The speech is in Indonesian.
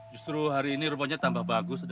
justru hari ini rumputnya tambah bagus dan